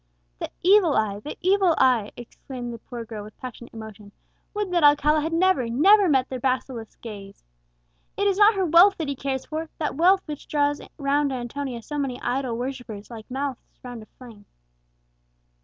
"The evil eye, the evil eye!" exclaimed the poor girl with passionate emotion; "would that Alcala had never, never met their basilisk glance! It is not her wealth that he cares for, that wealth which draws round Antonia so many idle worshippers, like moths round a flame!"